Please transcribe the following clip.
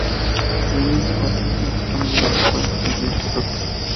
Demi-Quartier no dispone de escuelas o iglesia propias.